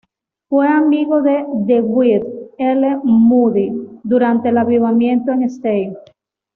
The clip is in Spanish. Fue amigo de Dwight L. Moody durante el avivamiento en St.